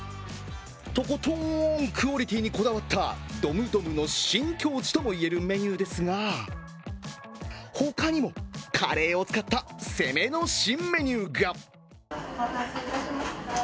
とことんクオリティーにこだわったドムドムの新境地ともいえるメニューですが他にも、カレーを使った攻めの新メニューが。